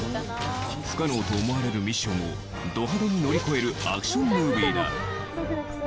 不可能と思われるミッションをど派手に乗り越えるアクションムービーだ